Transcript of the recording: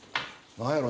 何やろ？